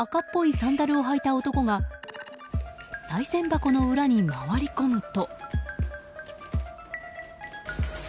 サンダルを履いた男がさい銭箱の裏に回り込むと。